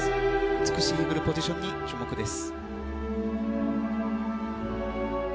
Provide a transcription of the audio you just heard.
美しいポジションに注目です。